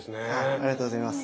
ありがとうございます。